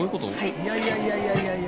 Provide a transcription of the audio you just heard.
いやいやいやいやいやいや。